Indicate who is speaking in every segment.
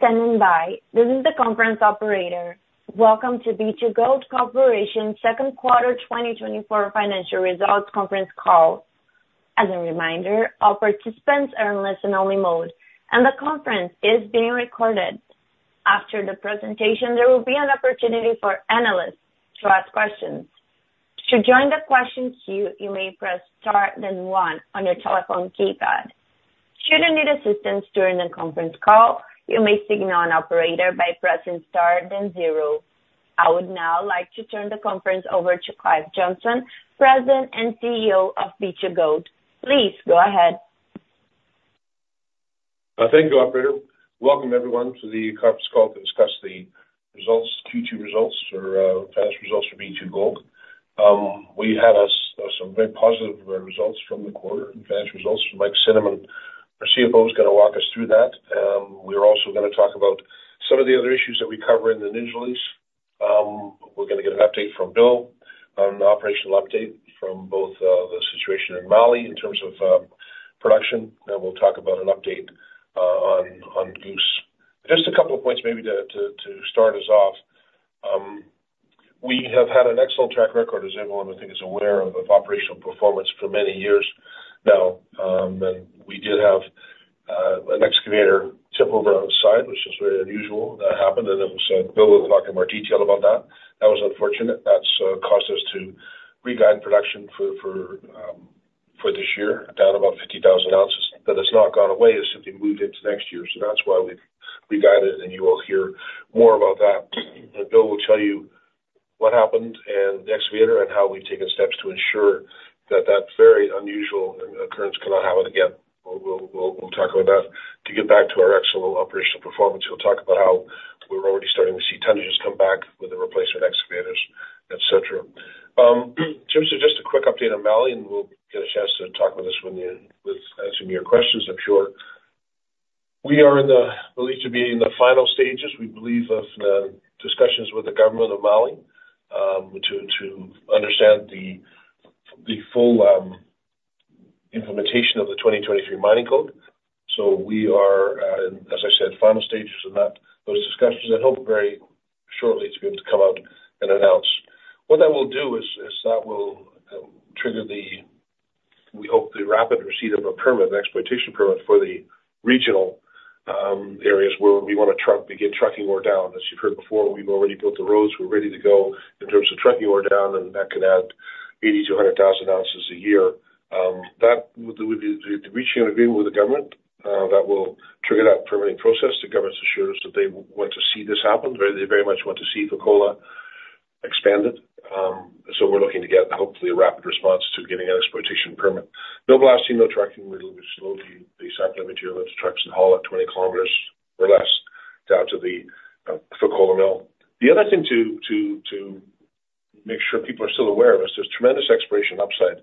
Speaker 1: Thank you for standing by. This is the conference operator. Welcome to B2Gold Corporation Second Quarter 2024 Financial Results Conference Call. As a reminder, all participants are in listen only mode, and the conference is being recorded. After the presentation, there will be an opportunity for analysts to ask questions. To join the question queue, you may press star then one on your telephone keypad. Should you need assistance during the conference call, you may signal an operator by pressing star then zero. I would now like to turn the conference over to Clive Johnson, President and CEO of B2Gold. Please go ahead.
Speaker 2: Thank you, operator. Welcome everyone to the conference call to discuss the results, Q2 results or financial results for B2Gold. We had some very positive results from the quarter, financial results. Mike Cinnamond, our CFO, is going to walk us through that. We're also going to talk about some of the other issues that we cover in the news release. We're going to get an update from Bill on the operational update from both the situation in Mali in terms of production, and we'll talk about an update on Goose. Just a couple of points maybe to start us off. We have had an excellent track record, as everyone, I think, is aware of, of operational performance for many years now. We did have an excavator tip over on site, which is very unusual. That happened, and it was. Bill will talk in more detail about that. That was unfortunate. That's caused us to reguide production for this year, down about 50,000 ounces. But it's not gone away, it's simply moved into next year. So that's why we've reguided, and you will hear more about that. And Bill will tell you what happened and the excavator, and how we've taken steps to ensure that that very unusual occurrence cannot happen again. We'll talk about that. To get back to our excellent operational performance, we'll talk about how we're already starting to see tonnages come back with the replacement excavators, et cetera. In terms of just a quick update on Mali, and we'll get a chance to talk about this with answering your questions, I'm sure. We are in the believed to be in the final stages, we believe, of discussions with the government of Mali, to understand the full implementation of the 2023 Mining Code. So we are, as I said, final stages of that, those discussions, and hope very shortly to be able to come out and announce. What that will do is that will trigger the, we hope, the rapid receipt of a permit, an Exploitation Permit for the regional areas where we want to truck, begin trucking ore down. As you've heard before, we've already built the roads. We're ready to go in terms of trucking ore down, and that could add 80-100,000 ounces a year. That would be to reaching an agreement with the government, that will trigger that permitting process. The government assured us that they want to see this happen, they very much want to see Fekola expanded. So we're looking to get hopefully a rapid response to getting an exploitation permit. No blasting, no trucking, we'll slowly be cycling material to trucks and haul it 20 km or less down to the Fekola mill. The other thing to make sure people are still aware of this, there's tremendous exploration upside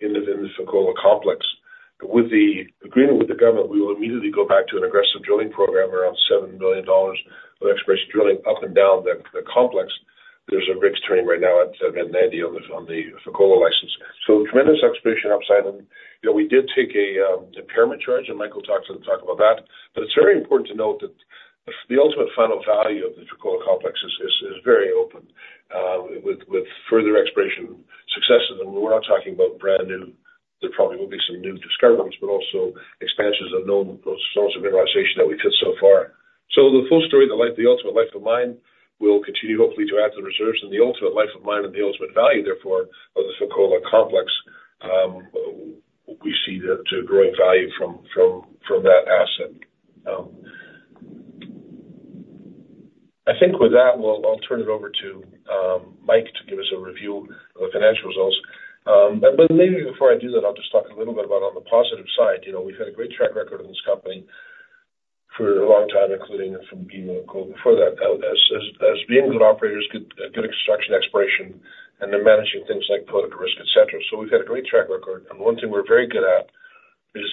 Speaker 2: in the Fekola Complex. With the agreement with the government, we will immediately go back to an aggressive drilling program, around $7 million of exploration, drilling up and down the complex. There's a rig turning right now on the Fekola license. So tremendous exploration upside, and, you know, we did take an impairment charge, and Mike will talk about that. But it's very important to note that the ultimate final value of the Fekola Complex is very open with further exploration successes. And we're not talking about brand new. There probably will be some new discoveries, but also expansions of known sources of mineralization that we've hit so far. So the full story, the life, the ultimate life of mine, will continue hopefully to add to the reserves and the ultimate life of mine and the ultimate value, therefore, of the Fekola Complex. We see the growing value from that asset. I think with that, I'll turn it over to Mike to give us a review of the financial results. But maybe before I do that, I'll just talk a little bit about on the positive side, you know, we've had a great track record in this company for a long time, including from B2Gold. Before that, as being good operators, good construction exploration, and then managing things like political risk, et cetera. We've had a great track record, and one thing we're very good at is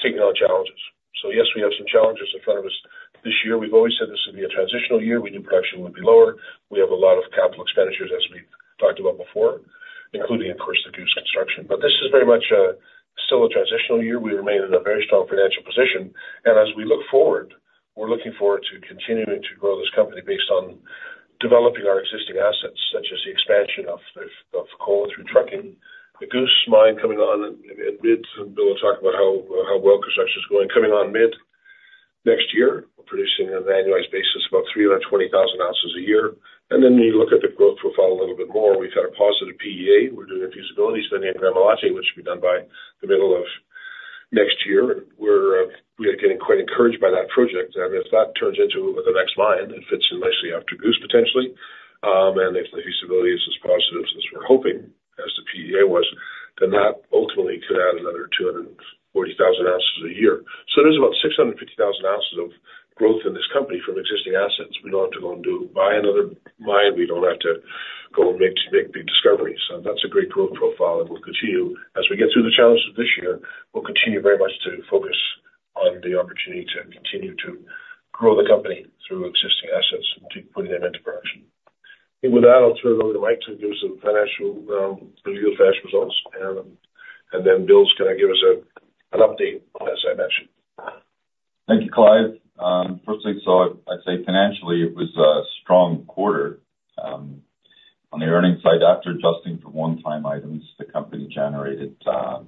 Speaker 2: taking on challenges. Yes, we have some challenges in front of us. This year, we've always said this would be a transitional year. We knew production would be lower. We have a lot of capital expenditures, as we've talked about before, including, of course, the Goose construction. This is very much still a transitional year. We remain in a very strong financial position. And as we look forward, we're looking forward to continuing to grow this company based on developing our existing assets, such as the expansion of Fekola through trucking. The Goose mine coming on in mid, and Bill will talk about how well construction is going, coming on mid next year, producing on an annualized basis about 320,000 ounces a year. And then you look at the growth profile a little bit more. We've had a positive PEA. We're doing a feasibility study in Gramalote, which will be done by the middle of next year. We're, we are getting quite encouraged by that project. And if that turns into the next mine, it fits in nicely after Goose, potentially. And if the feasibility is as positive as we're hoping, as the PEA was, then that ultimately could add another 240,000 ounces a year. So there's about 650,000 ounces of growth in this company from existing assets. We don't have to go and do, buy another mine. We don't have to go and make, make big discoveries. So that's a great growth profile, and we'll continue. As we get through the challenges this year, we'll continue very much to focus on the opportunity to continue to grow the company through existing assets and to putting them into production. And with that, I'll turn over the mic to do some financial review of financial results, and, and then Bill's gonna give us a, an update on, as I mentioned.
Speaker 3: Thank you, Clive. First thing, so I'd say financially, it was a strong quarter. On the earnings side, after adjusting for one-time items, the company generated $0.06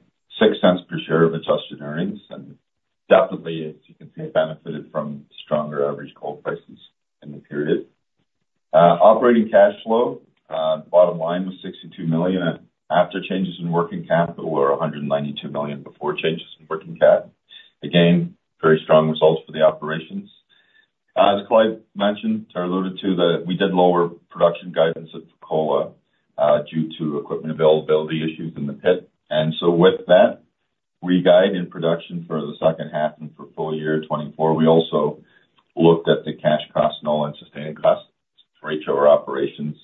Speaker 3: per share of adjusted earnings, and definitely, as you can see, benefited from stronger average gold prices in the period. Operating cash flow bottom line was $62 million, after changes in working capital, or $192 million before changes in working capital. Again, very strong results for the operations. As Clive mentioned or alluded to, we did lower production guidance at Fekola due to equipment availability issues in the pit. And so with that, we guide in production for the second half and for full year 2024. We also looked at the cash costs and all-in sustaining costs for each of our operations.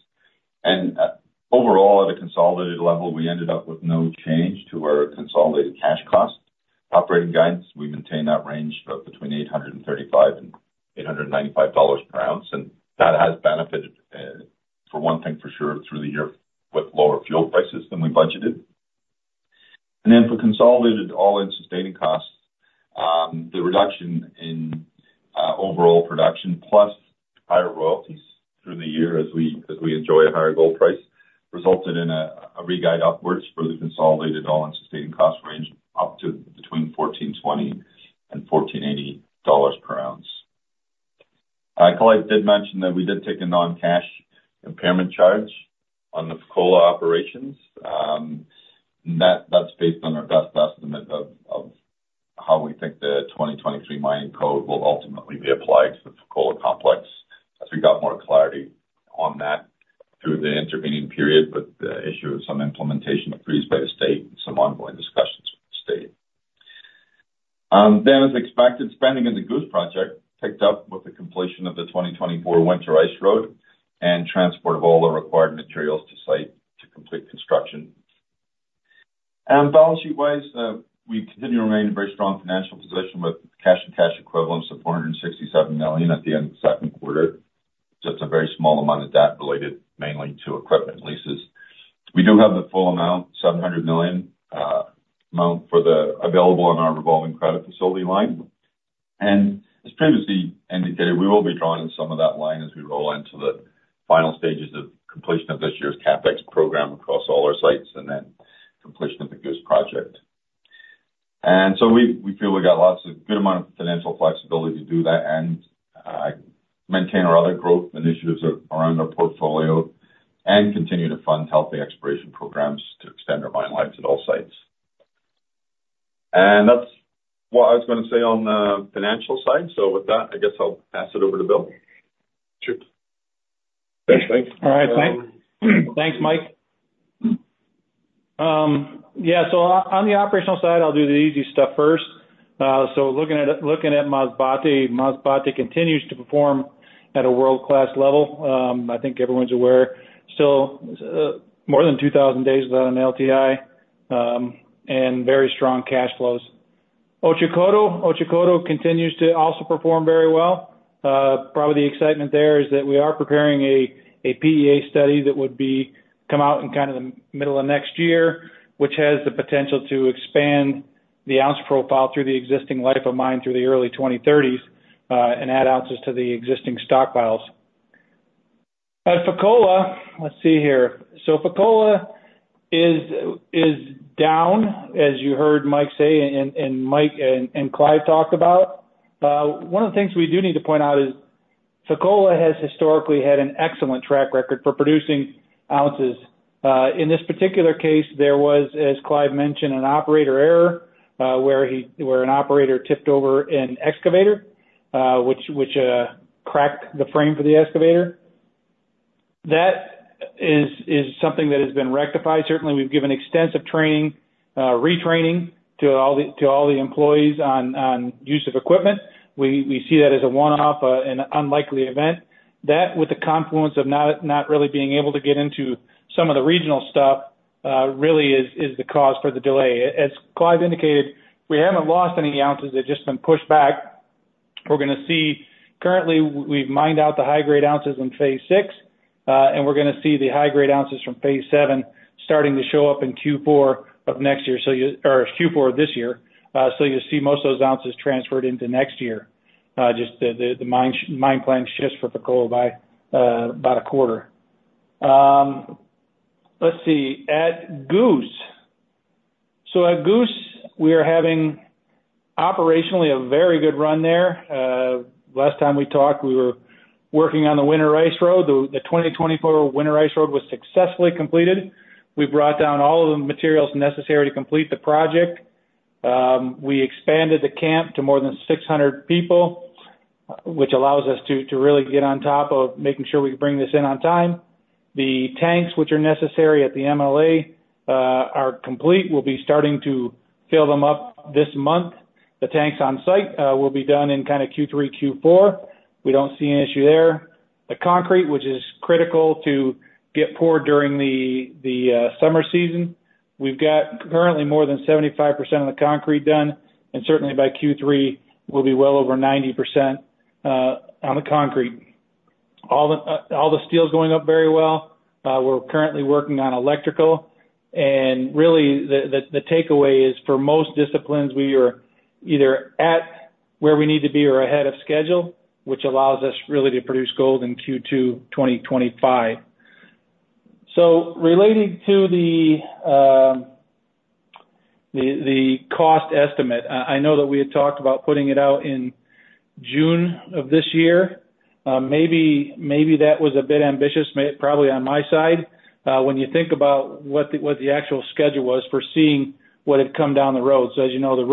Speaker 3: Overall, at a consolidated level, we ended up with no change to our consolidated cash cost operating guidance. We maintained that range of between $835 and $895 per ounce, and that has benefited, for one thing for sure, through the year with lower fuel prices than we budgeted. Then for consolidated All-in Sustaining Costs, the reduction in overall production, plus higher royalties through the year as we, as we enjoy a higher gold price, resulted in a re-guide upwards for the consolidated All-in Sustaining Cost range, up to between $1,420 and $1,480 per ounce. Clive did mention that we did take a non-cash impairment charge on the Fekola operations, and that that's based on our best estimate of how we think the 2023 Mining Code will ultimately be applied to the Fekola Complex, as we got more clarity on that through the intervening period with the issuance of some Implementation Decree approved by the state and some ongoing discussions with the state. Then, as expected, spending in the Goose Project picked up with the completion of the 2024 winter ice road and transport of all the required materials to site to complete construction. And balance sheet-wise, we continue to remain in very strong financial position with cash and cash equivalents of $467 million at the end of the second quarter. Just a very small amount of debt related mainly to equipment leases. We do have the full amount, $700 million, amount for the available on our revolving credit facility line. As previously indicated, we will be drawing some of that line as we roll into the final stages of completion of this year's CapEx program across all our sites, and then completion of the Goose Project. So we, we feel we've got lots of good amount of financial flexibility to do that and maintain our other growth initiatives that are in our portfolio and continue to fund healthy exploration programs to extend our mine lives at all sites. That's what I was gonna say on the financial side. With that, I guess I'll pass it over to Bill.
Speaker 2: Sure. Thanks, Mike.
Speaker 4: All right, thanks. Thanks, Mike. Yeah, so on the operational side, I'll do the easy stuff first. So looking at Masbate, Masbate continues to perform at a world-class level. I think everyone's aware, still, more than 2,000 days without an LTI, and very strong cash flows. Otjikoto continues to also perform very well. Probably the excitement there is that we are preparing a PEA study that would come out in kind of the middle of next year, which has the potential to expand the ounce profile through the existing life of mine through the early 2030s, and add ounces to the existing stockpiles. At Fekola, let's see here. So Fekola is down, as you heard Mike say, and Mike and Clive talk about. One of the things we do need to point out is Fekola has historically had an excellent track record for producing ounces. In this particular case, there was, as Clive mentioned, an operator error, where an operator tipped over an excavator, which cracked the frame for the excavator. That is something that has been rectified. Certainly, we've given extensive training, retraining, to all the employees on use of equipment. We see that as a one-off, an unlikely event. That, with the confluence of not really being able to get into some of the regional stuff, really is the cause for the delay. As Clive indicated, we haven't lost any ounces. They've just been pushed back. We're gonna see currently, we've mined out the high-grade ounces in phase six, and we're gonna see the high-grade ounces from phase seven starting to show up in Q4 of next year, so you or Q4 of this year. So you'll see most of those ounces transferred into next year. Just the mine plan shifts for Fekola by about a quarter. Let's see, at Goose. So at Goose, we are having operationally a very good run there. Last time we talked, we were working on the winter ice road. The 2024 winter ice road was successfully completed. We brought down all of the materials necessary to complete the project. We expanded the camp to more than 600 people, which allows us to really get on top of making sure we bring this in on time. The tanks, which are necessary at the MLA, are complete. We'll be starting to fill them up this month. The tanks on site will be done in kind of Q3, Q4. We don't see an issue there. The concrete, which is critical to get poured during the summer season. We've got currently more than 75% of the concrete done, and certainly by Q3, we'll be well over 90% on the concrete. All the steel's going up very well. We're currently working on electrical, and really the takeaway is, for most disciplines, we are either at where we need to be or ahead of schedule, which allows us really to produce gold in Q2 2025. So relating to the cost estimate, I know that we had talked about putting it out in June of this year. Maybe that was a bit ambitious, probably on my side. When you think about what the actual schedule was for seeing what had come down the road. So as you know, the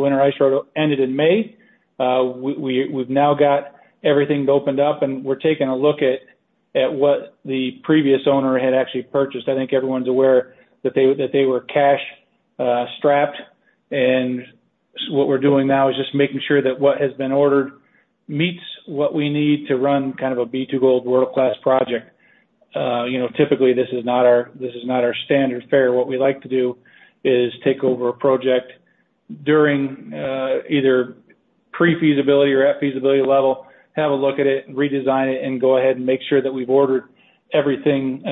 Speaker 4: winter ice road ended in May. We've now got everything opened up, and we're taking a look at what the previous owner had actually purchased. I think everyone's aware that they were cash strapped, and what we're doing now is just making sure that what has been ordered meets what we need to run kind of a B2Gold world-class project. You know, typically this is not our standard fare. What we like to do is take over a project during either pre-feasibility or at feasibility level, have a look at it, redesign it, and go ahead and make sure that we've ordered everything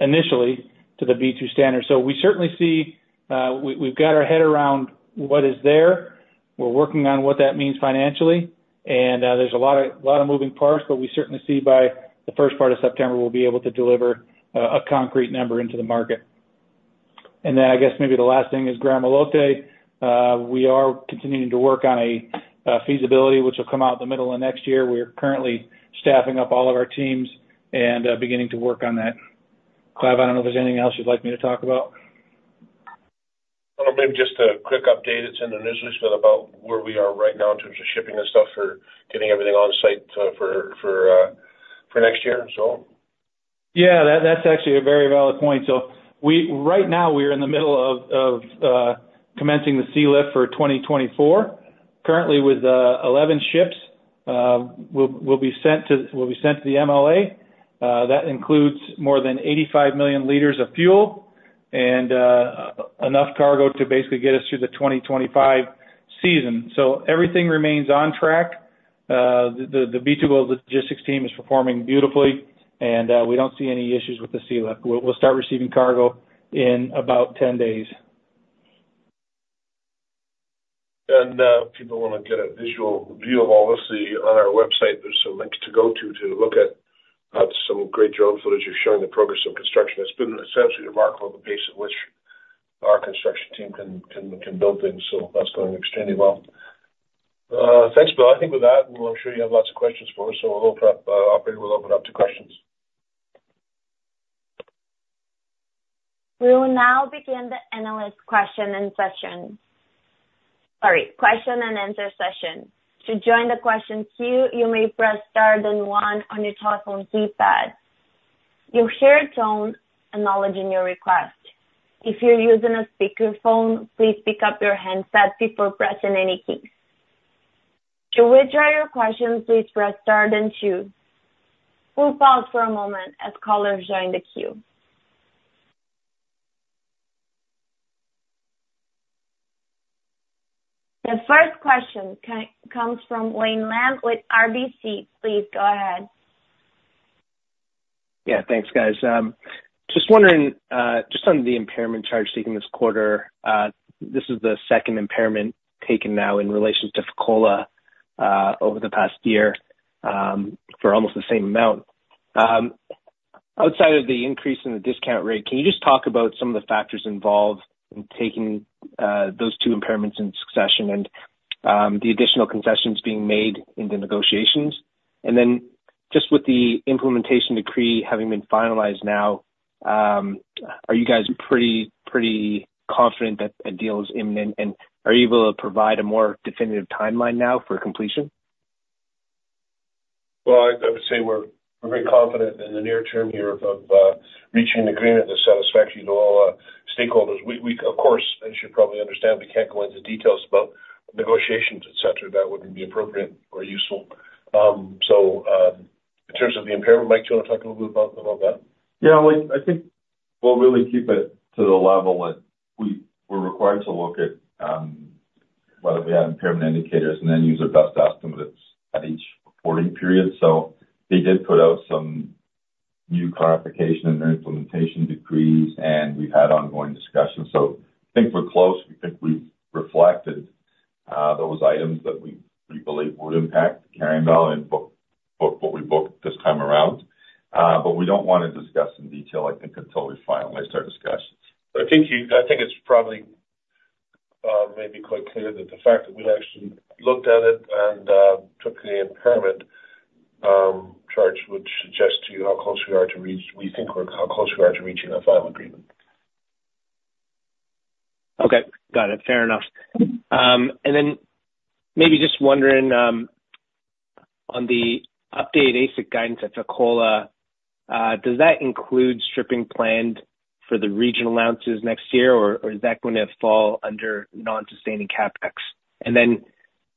Speaker 4: initially to the B2 standard. So we certainly see we've got our head around what is there. We're working on what that means financially, and there's a lot of moving parts, but we certainly see by the first part of September, we'll be able to deliver a concrete number into the market. And then I guess maybe the last thing is Gramalote. We are continuing to work on a feasibility, which will come out in the middle of next year. We're currently staffing up all of our teams and beginning to work on that. Clive, I don't know if there's anything else you'd like me to talk about?
Speaker 2: Well, maybe just a quick update. It's in the news release, but about where we are right now in terms of shipping and stuff for getting everything on site, for next year, so.
Speaker 4: Yeah, that, that's actually a very valid point. So right now, we're in the middle of commencing the sealift for 2024. Currently with 11 ships will be sent to the MLA. That includes more than 85 million liters of fuel and enough cargo to basically get us through the 2025 season. So everything remains on track. The B2Gold logistics team is performing beautifully, and we don't see any issues with the sealift. We'll start receiving cargo in about 10 days.
Speaker 2: If people want to get a visual view of all this, on our website, there's some links to go to, to look at some great drone footage showing the progress of construction. It's been essentially remarkable, the pace at which our construction team can build things, so that's going extremely well. Thanks, Bill. I think with that, we're sure you have lots of questions for us, so we'll open up, operator will open up to questions.
Speaker 1: We will now begin the analyst question and session. Sorry, question and answer session. To join the question queue, you may press star then one on your telephone keypad. You'll hear a tone, acknowledging your request. If you're using a speakerphone, please pick up your handset before pressing any keys. To withdraw your question, please press star then two. We'll pause for a moment as callers join the queue. The first question comes from Wayne Lam with RBC. Please go ahead.
Speaker 5: Yeah, thanks, guys. Just wondering, just on the impairment charge taken this quarter, this is the second impairment taken now in relation to Fekola, over the past year, for almost the same amount. Outside of the increase in the discount rate, can you just talk about some of the factors involved in taking those two impairments in succession and the additional concessions being made in the negotiations? And then just with the Implementation Decree having been finalized now, are you guys pretty, pretty confident that a deal is imminent, and are you able to provide a more definitive timeline now for completion?
Speaker 2: Well, I would say we're very confident in the near term here of reaching an agreement that's satisfactory to all stakeholders. We, of course, as you probably understand, we can't go into details about negotiations, et cetera. That wouldn't be appropriate or useful. So, in terms of the impairment, Mike, do you want to talk a little bit about that?
Speaker 3: Yeah, well, I think we'll really keep it to the level that we're required to look at, whether we have impairment indicators and then use our best estimates at each reporting period. So they did put out some new clarification in their implementation decrees, and we've had ongoing discussions. So I think we're close. We think we've reflected those items that we believe would impact carrying amount and book what we booked this time around. But we don't want to discuss in detail, I think, until we finalize our discussions.
Speaker 2: But I think you, I think it's probably maybe quite clear that the fact that we've actually looked at it and took the impairment charge would suggest to you how close we are to reach, we think, or how close we are to reaching a final agreement.
Speaker 5: Okay. Got it. Fair enough. And then maybe just wondering, on the update AISC guidance at Fekola, does that include stripping planned for the regional ounces next year, or, or is that going to fall under non-sustaining CapEx? And then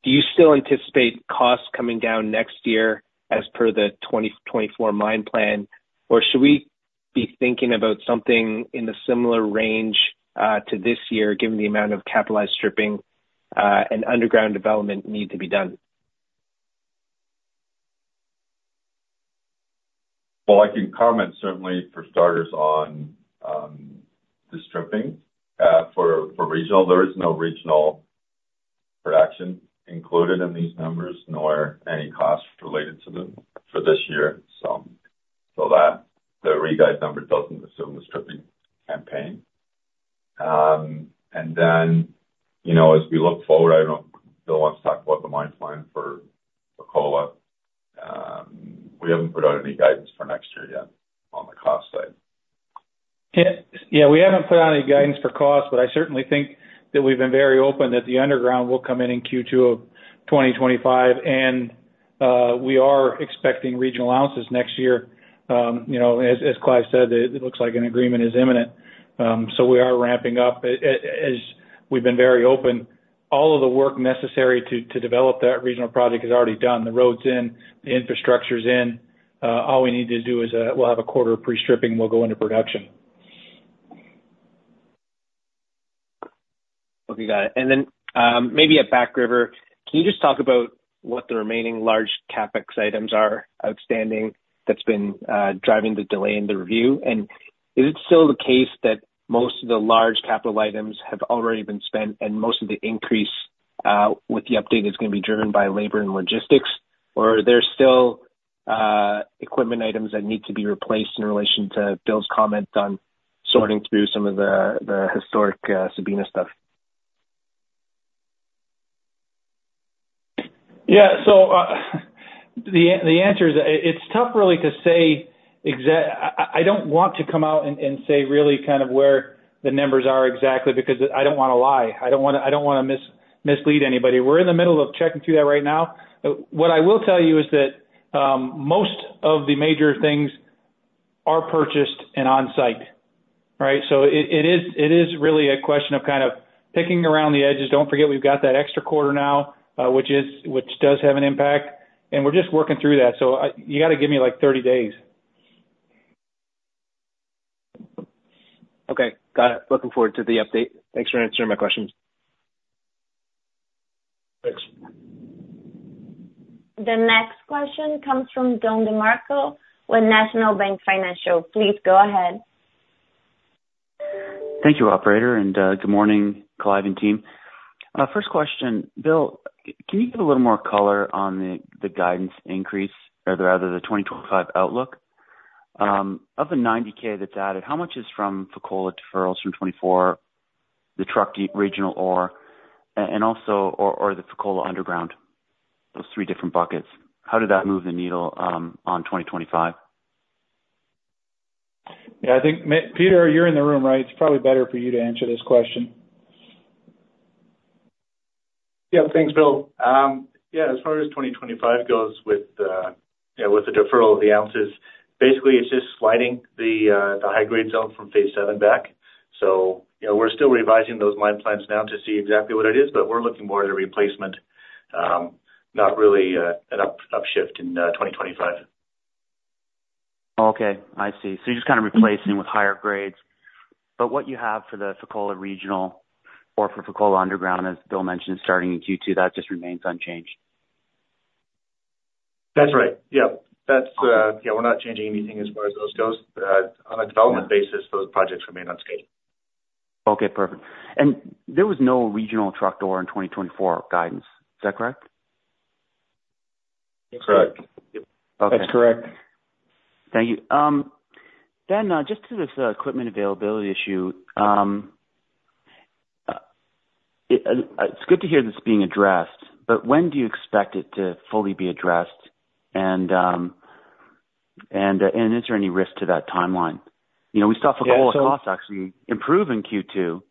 Speaker 5: do you still anticipate costs coming down next year as per the 2024 mine plan? Or should we be thinking about something in the similar range, to this year, given the amount of capitalized stripping, and underground development need to be done?
Speaker 3: Well, I can comment certainly for starters on the stripping. For regional, there is no regional production included in these numbers, nor any costs related to them for this year. So that the re-guidance number doesn't assume the stripping campaign. And then, you know, as we look forward, I don't know, Bill wants to talk about the mine plan for Fekola. We haven't put out any guidance for next year yet on the cost side.
Speaker 4: Yeah, yeah, we haven't put out any guidance for cost, but I certainly think that we've been very open that the underground will come in in Q2 of 2025, and we are expecting regional ounces next year. You know, as Clive said, it looks like an agreement is imminent. So we are ramping up. As we've been very open, all of the work necessary to develop that regional project is already done. The road's in, the infrastructure's in, all we need to do is we'll have a quarter of pre-stripping, we'll go into production.
Speaker 5: Okay, got it. And then, maybe at Back River, can you just talk about what the remaining large CapEx items are outstanding that's been driving the delay in the review? And is it still the case that most of the large capital items have already been spent, and most of the increase with the update is gonna be driven by labor and logistics? Or are there still equipment items that need to be replaced in relation to Bill's comment on sorting through some of the historic Sabina stuff?
Speaker 4: Yeah. So, the answer is, it's tough really to say. I don't want to come out and say really kind of where the numbers are exactly, because I don't wanna lie. I don't wanna mislead anybody. We're in the middle of checking through that right now. What I will tell you is that most of the major things are purchased and on site, right? So it is really a question of kind of picking around the edges. Don't forget, we've got that extra quarter now, which does have an impact, and we're just working through that. So I... You gotta give me, like, 30 days.
Speaker 5: Okay, got it. Looking forward to the update. Thanks for answering my questions.
Speaker 4: Thanks.
Speaker 1: The next question comes from Don DeMarco with National Bank Financial. Please go ahead.
Speaker 6: Thank you, operator, and good morning, Clive and team. First question. Bill, can you give a little more color on the guidance increase or rather the 2025 outlook? Of the 90K that's added, how much is from Fekola deferrals from 2024, the trucking regional ore, and also the Fekola Underground, those three different buckets. How did that move the needle on 2025?
Speaker 4: Yeah, I think Peter, you're in the room, right? It's probably better for you to answer this question.
Speaker 7: Yeah, thanks, Bill. Yeah, as far as 2025 goes with, you know, with the deferral of the ounces, basically, it's just sliding the the high grade zone from phase seven back. So, you know, we're still revising those mine plans now to see exactly what it is, but we're looking more at a replacement, not really, an upshift in 2025.
Speaker 6: Okay, I see. So you're just kind of replacing with higher grades. But what you have for the Fekola Regional or for Fekola Underground, as Bill mentioned, starting in Q2, that just remains unchanged?
Speaker 7: That's right. Yeah. That's, yeah, we're not changing anything as far as those goes. On a development basis, those projects remain on scale.
Speaker 6: Okay, perfect. There was no regional trucked ore in 2024 guidance, is that correct?
Speaker 7: That's correct.
Speaker 4: Correct.
Speaker 6: Okay.
Speaker 7: That's correct.
Speaker 6: Thank you. Then, just to this equipment availability issue, it's good to hear this being addressed, but when do you expect it to fully be addressed? And is there any risk to that timeline? You know, we saw Fekola costs actually improve in Q2,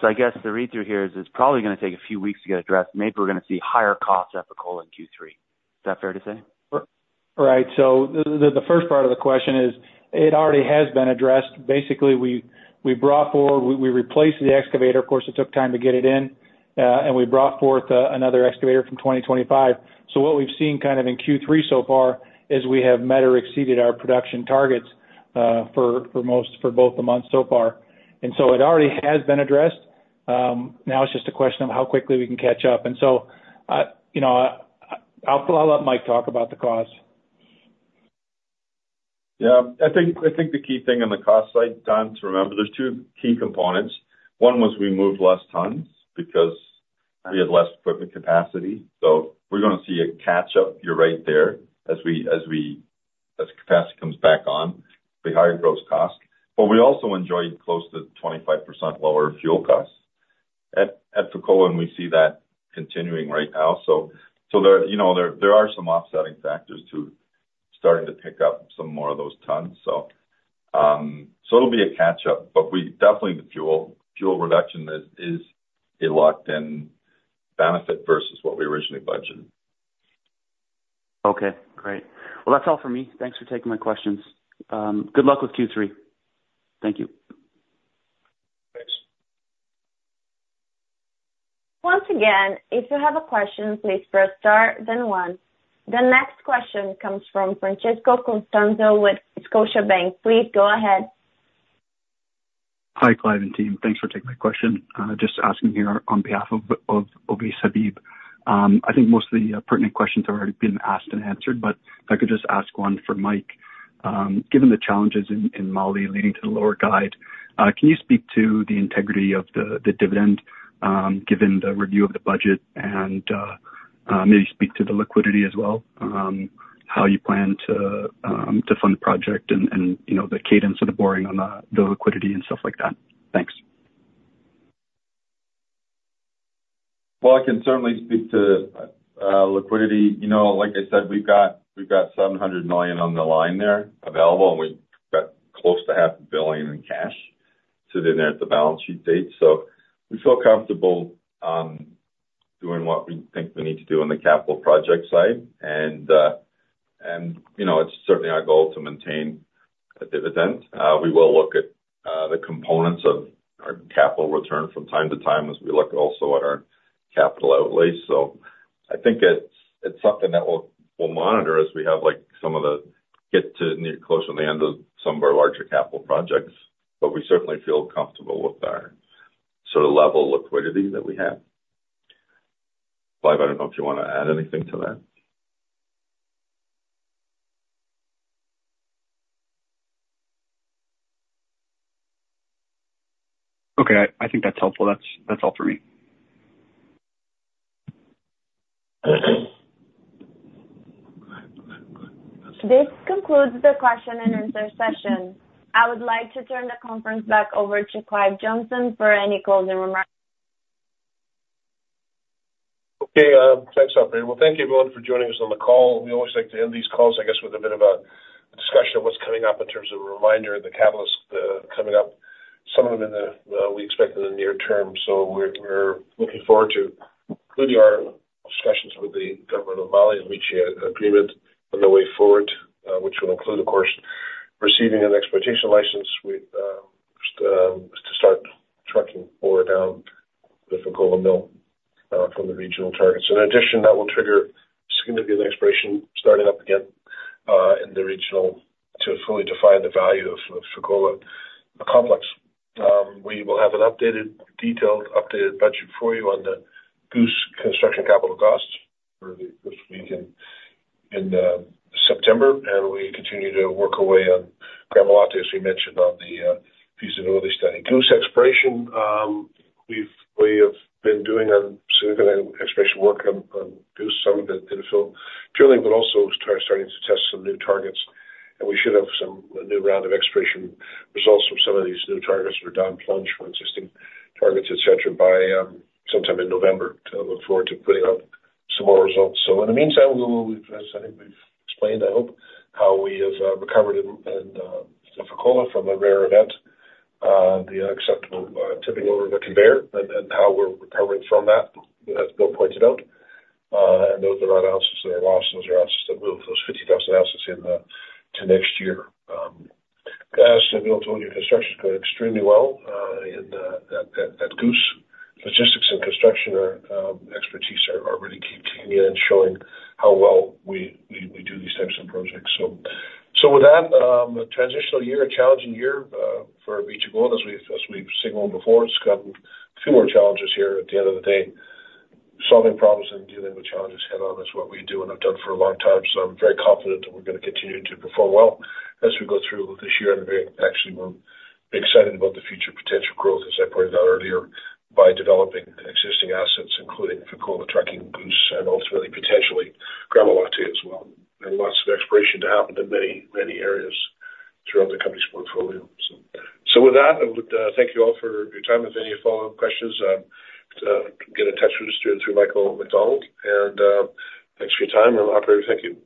Speaker 6: so I guess the read-through here is it's probably gonna take a few weeks to get addressed. Maybe we're gonna see higher costs at Fekola in Q3. Is that fair to say?
Speaker 4: Right. So the first part of the question is, it already has been addressed. Basically, we brought forward, we replaced the excavator. Of course, it took time to get it in, and we brought forth another excavator from 2025. So what we've seen kind of in Q3 so far is we have met or exceeded our production targets for both the months so far. And so it already has been addressed. Now it's just a question of how quickly we can catch up. And so, you know, I'll let Mike talk about the cause.
Speaker 3: Yeah, I think the key thing on the cost side, Don, to remember, there's two key components. One was we moved less tons because we had less equipment capacity, so we're gonna see a catch-up, you're right there. As capacity comes back on, the higher gross cost. But we also enjoyed close to 25% lower fuel costs at Fekola, and we see that continuing right now. So there, you know, there are some offsetting factors to starting to pick up some more of those tons. So it'll be a catch-up, but we definitely the fuel reduction is a locked-in benefit versus what we originally budgeted.
Speaker 6: Okay, great. Well, that's all for me. Thanks for taking my questions. Good luck with Q3. Thank you.
Speaker 2: Thanks.
Speaker 1: Once again, if you have a question, please press star then one. The next question comes from Francesco Costanzo with Scotiabank. Please go ahead.
Speaker 8: Hi, Clive and team. Thanks for taking my question. Just asking here on behalf of Ovais Habib. I think most of the pertinent questions have already been asked and answered, but if I could just ask one for Mike. Given the challenges in Mali leading to the lower guide, can you speak to the integrity of the dividend, given the review of the budget? And, maybe speak to the liquidity as well, how you plan to fund the project and, you know, the cadence of the borrowing on the liquidity and stuff like that? Thanks.
Speaker 3: Well, I can certainly speak to liquidity. You know, like I said, we've got, we've got $700 million on the line there available, and we've got close to $500 million in cash sitting there at the balance sheet date. So we feel comfortable doing what we think we need to do on the capital project side. And, and, you know, it's certainly our goal to maintain a dividend. We will look at the components of our capital return from time to time as we look also at our capital outlay. So I think it's something that we'll monitor as we have, like, some of the get to near closer to the end of some of our larger capital projects. But we certainly feel comfortable with our sort of level of liquidity that we have. Clive, I don't know if you want to add anything to that?
Speaker 8: Okay, I think that's helpful. That's all for me.
Speaker 2: Okay.
Speaker 1: This concludes the question and answer session. I would like to turn the conference back over to Clive Johnson for any closing remarks.
Speaker 2: Okay, thanks, operator. Well, thank you everyone for joining us on the call. We always like to end these calls, I guess, with a bit of a discussion of what's coming up in terms of a reminder of the catalyst coming up, some of them in the we expect in the near term. So we're, we're looking forward to including our discussions with the government of Mali and reaching an agreement on the way forward, which will include, of course, receiving an exploitation license with to start trucking ore down the Fekola mill from the regional targets. In addition, that will trigger significant exploration starting up again in the regional to fully define the value of Fekola Complex. We will have an updated, detailed updated budget for you on the Goose construction capital costs for the first week in September, and we continue to work away on Gramalote, as we mentioned, on the feasibility study. Goose exploration, we have been doing a significant exploration work on Goose, some of it in the field drilling, but also starting to test some new targets. And we should have a new round of exploration results from some of these new targets for down plunge on existing targets, et cetera, by sometime in November. To look forward to putting out some more results. So in the meantime, we will, as I think we've explained, I hope, how we have recovered in Fekola from a rare event, the unacceptable tipping over of the conveyor and how we're recovering from that, as Bill pointed out. And those are not ounces that are lost. Those are ounces that move those 50,000 ounces in to next year. As Bill told you, construction is going extremely well in at Goose. Logistics and construction expertise are really key to me and showing how well we do these types of projects. So with that, a transitional year, a challenging year, for us to go on as we've signaled before, it's got a few more challenges here at the end of the day. Solving problems and dealing with challenges head on is what we do, and have done for a long time. So I'm very confident that we're gonna continue to perform well as we go through this year. Actually, we're excited about the future potential growth, as I pointed out earlier, by developing existing assets, including Fekola, Otjikoto, Goose, and ultimately potentially Gramalote as well. Lots of exploration to happen in many, many areas throughout the company's portfolio. So with that, I would thank you all for your time. If you have any follow-up questions, get in touch with us through Michael McDonald. And thanks for your time, and operator, thank you.